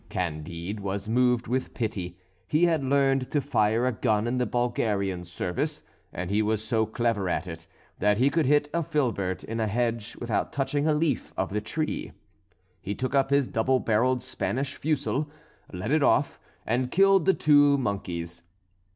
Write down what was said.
Candide was moved with pity; he had learned to fire a gun in the Bulgarian service, and he was so clever at it, that he could hit a filbert in a hedge without touching a leaf of the tree. He took up his double barrelled Spanish fusil, let it off, and killed the two monkeys.